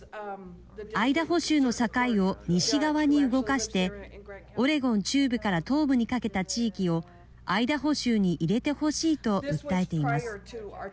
アイダホ州の境を西側に動かしてオレゴン中部から東部にかけた地域をアイダホ州に入れてほしいと訴えています。